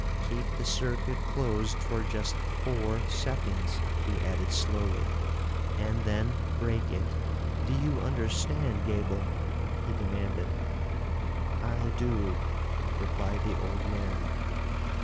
"Keep the circuit closed for just four seconds," he added slowly, "and then break it. Do you understand, Gaeble?" he demanded. "I do," replied the old man.